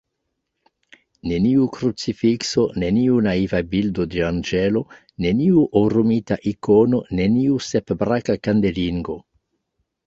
Neniu krucifikso, neniu naiva bildo de anĝelo, neniu orumita ikono, neniu sep-braka kandelingo.